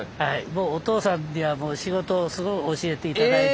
もうお父さんにはもう仕事をすごい教えて頂いて。